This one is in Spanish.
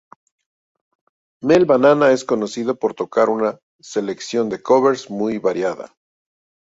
Melt Banana es conocida por tocar una selección de covers muy variada.